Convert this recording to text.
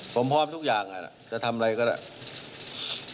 ผมพร้อมทุกอย่างจะทำอะไรก็ได้